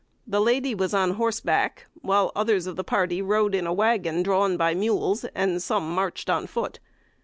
The lady was on horseback, while others of the party rode in a wagon drawn by mules, and some marched on foot.